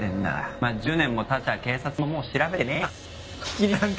まぁ１０年もたちゃ警察ももう調べてねえか。